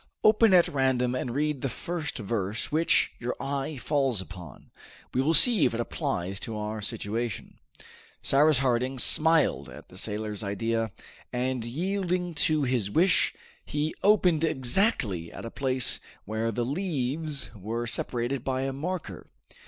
Open at random and read the first verse which, your eye falls upon. We will see if it applies to our situation." Cyrus Harding smiled at the sailor's idea, and, yielding to his wish, he opened exactly at a place where the leaves were separated by a marker.